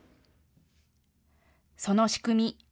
その仕組み。